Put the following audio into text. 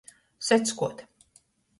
Seckuot.